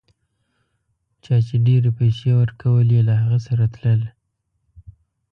چا چي ډېرې پیسې ورکولې له هغه سره تلل.